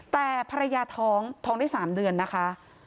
แต่ภรรยาท้องท้องได้๓เดือนนะคะ